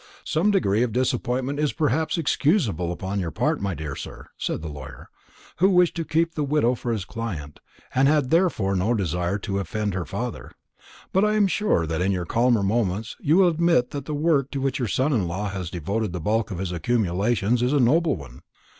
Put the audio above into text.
"Some degree of disappointment is perhaps excusable upon your part, my dear sir," said the lawyer, who wished to keep the widow for his client, and had therefore no desire to offend her father; "but I am sure that in your calmer moments you will admit that the work to which your son in law has devoted the bulk of his accumulations is a noble one.